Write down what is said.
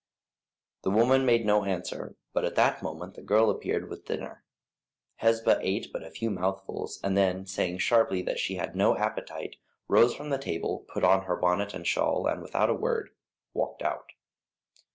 The woman made no answer, for at that moment the girl appeared with the dinner. Hesba ate but a few mouthfuls, and then saying sharply that she had no appetite, rose from the table, put on her bonnet and shawl, and, without a word, walked out.